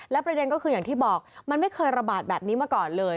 ประเด็นก็คืออย่างที่บอกมันไม่เคยระบาดแบบนี้มาก่อนเลย